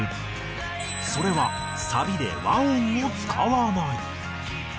それは「サビで和音を使わない」。